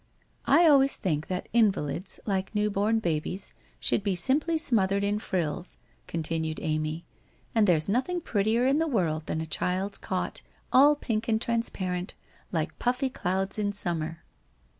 ' I always think that invalids, like new born babies, should be simply smothered in frills,' continued Amy. ' And there is nothing prettier in the world than a child's cot, all pink and transparent, like puffy clouds in sum mer.'